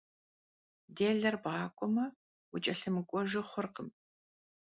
Dêler bğak'ueme, vuç'elhımık'uejju xhurkhım.